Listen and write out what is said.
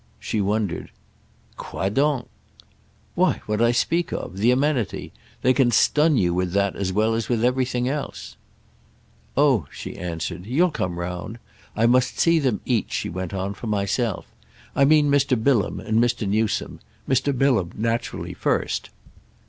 She wondered. "Quoi donc?" "Why what I speak of. The amenity. They can stun you with that as well as with anything else." "Oh," she answered, "you'll come round! I must see them each," she went on, "for myself. I mean Mr. Bilham and Mr. Newsome—Mr. Bilham naturally first.